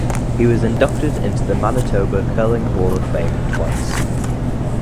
He was inducted into the Manitoba Curling Hall of Fame twice.